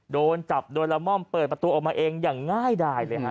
โดนจับโดยละม่อมเปิดประตูออกมาเองอย่างง่ายดายเลยฮะ